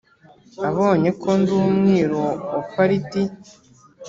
abonye ko ndi umwiru wa pariti